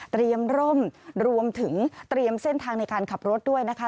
ร่มรวมถึงเตรียมเส้นทางในการขับรถด้วยนะคะ